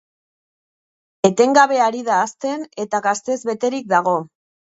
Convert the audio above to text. Etengabe ari da hazten, eta gaztez beterik dago.